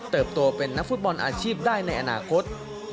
ตัวเป็นนักฟุตบอลอาชีพได้ในอนาคต